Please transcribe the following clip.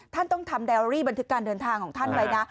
ท่านต้องทำแดรี่บันทึกการเดินทางของท่านไว้นะ